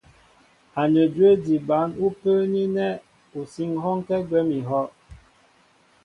Anədwə́ di bǎn ú pə́ə́ní ánɛ́ ú sí ŋ̀hɔ́ɔ́nkɛ́ gwɛ́m kɛ́ íhɔ́'.